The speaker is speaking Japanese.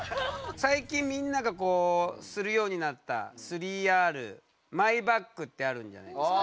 最近みんながするようになった３Ｒマイバッグってあるじゃないですか。